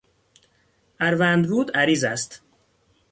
اروندرود عریض است.